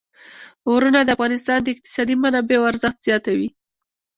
غرونه د افغانستان د اقتصادي منابعو ارزښت زیاتوي.